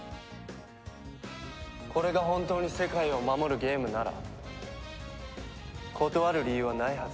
これが本当に世界を守るゲームなら断る理由はないはずだ。